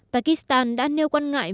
pakistan đã nêu quan ngại